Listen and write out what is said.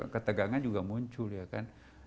ketegangan juga muncul ya kan